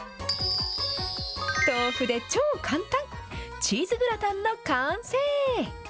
豆腐で超簡単、チーズグラタンの完成。